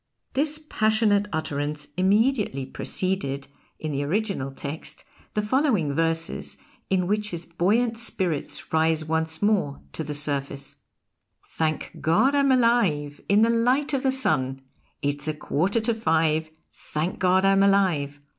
This passionate utterance immediately preceded, in the original text, the following verses in which his buoyant spirits rise once more to the surface: Thank God I'm alive In the light of the Sun! It's a quarter to five; Thank God I'm alive!